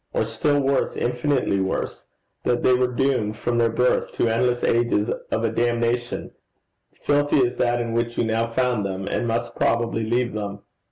or, still worse, infinitely worse, that they were doomed, from their birth, to endless ages of a damnation, filthy as that in which you now found them, and must probably leave them?